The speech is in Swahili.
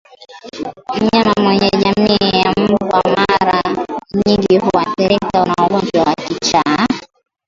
Mnyama mwenye jamii ya mbwa mara nyingi huathirika na ugonjwa wa kichaa#